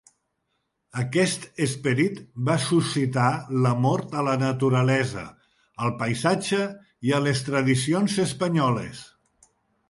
Aquest esperit va suscitar l’amor a la naturalesa, al paisatge i a les tradicions espanyoles.